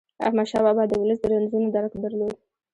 احمدشاه بابا د ولس د رنځونو درک درلود.